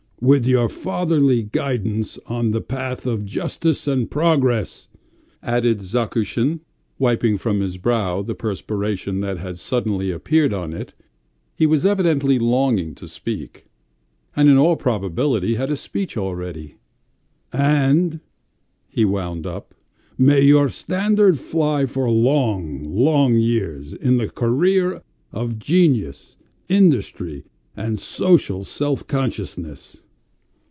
..." "With your fatherly guidance in the path of justice and progress. .." added Zakusin, wiping from his brow the perspiration that had suddenly appeared on it; he was evidently longing to speak, and in all probability had a speech ready. "And," he wound up, "may your standard fly for long, long years in the career of genius, industry, and social self consciousness."